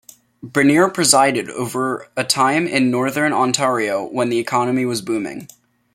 Bernier presided over a time in Northern Ontario when the economy was booming.